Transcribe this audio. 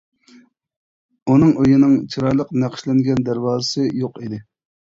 ئۇنىڭ ئۆينىڭ چىرايلىق نەقىشلەنگەن دەرۋازىسى يوق ئىدى.